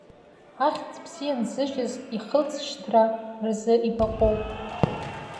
Ахьӡ бзиа нзыжьыз, ихылҵшьҭра рзы ибаҟоуп.